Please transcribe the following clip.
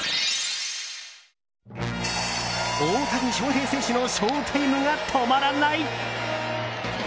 大谷翔平選手のショータイムが止まらない！